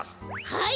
はい！